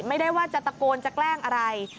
ไม่ได้ว่าจะตะโกนจะแกล้งอะไร